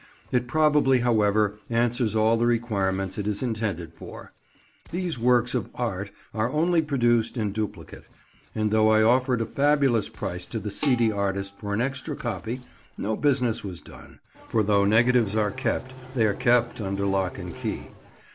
It probably, however, answers all the requirements it is intended for. These works of art are only produced in duplicate, and though I offered a fabulous price to the seedy artist for an extra copy, no business was done; for though negatives are kept, they are kept under lock and key.